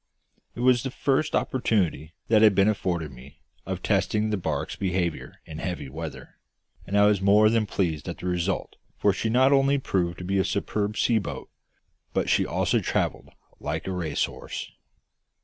It was the first opportunity that had been afforded me of testing the barque's behaviour in heavy weather, and I was more than pleased at the result, for she not only proved to be a superb sea boat, but she also travelled like a racehorse.